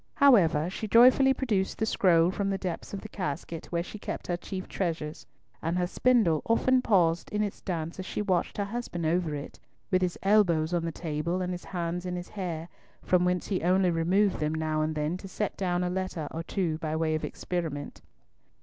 However, she joyfully produced the scroll from the depths of the casket where she kept her chief treasures, and her spindle often paused in its dance as she watched her husband over it, with his elbows on the table and his hands in his hair, from whence he only removed them now and then to set down a letter or two by way of experiment.